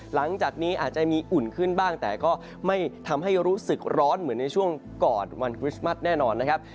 หลังจากนี้อาจจะมีอุ่นขึ้นบ้างแต่ก็ไม่ทำให้รู้สึกร้อนเหมือนในช่วงก่อนวันคริสต์มัสแน่นอนนะครับ